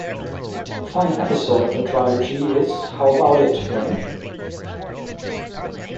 The final episode of the trilogy is How About It, Frank?